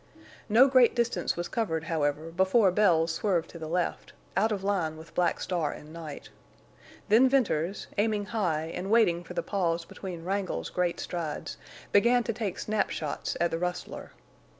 No great distance was covered, however, before Bells swerved to the left, out of line with Black Star and Night. Then Venters, aiming high and waiting for the pause between Wrangle's great strides, began to take snap shots at the rustler.